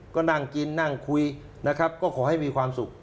ก็นั่งกินนั่งคุยนะครับก็ขอให้มีความสุข